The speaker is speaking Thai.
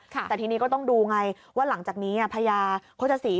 แต่ทีนี้ก็ต้องดูไงว่าหลังจากนี้พญาโฆษศรี